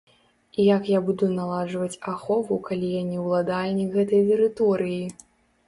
І як я буду наладжваць ахову, калі я не ўладальнік гэтай тэрыторыі.